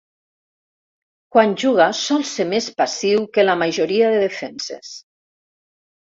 Quan juga sol ser més passiu que la majoria de defenses.